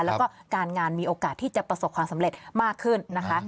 แล้วก็การงานมีโอกาสที่จะประสบความสำเร็จมากขึ้นนะคะ